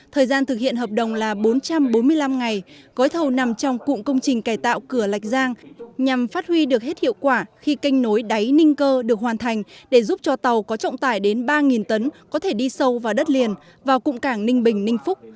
thời gian thực hiện hợp đồng là bốn trăm bốn mươi năm ngày gói thầu nằm trong cụm công trình cài tạo cửa lạch giang nhằm phát huy được hết hiệu quả khi kênh nối đáy ninh cơ được hoàn thành để giúp cho tàu có trọng tải đến ba tấn có thể đi sâu vào đất liền vào cụm cảng ninh bình ninh phúc